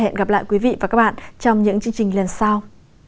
hẹn gặp lại quý vị và các bạn trong những chương trình lần sau